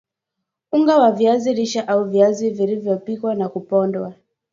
Unga wa viazi lishe au viazi vilivyopikwa na kupondwa